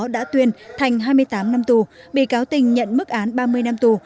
đã tuyên thành hai mươi tám năm tù bị cáo tình nhận mức án ba mươi năm tù